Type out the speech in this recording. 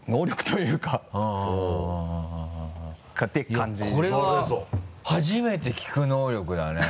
いやこれは初めて聞く能力だね。